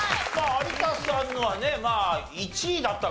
有田さんのはねまあ１位だったからね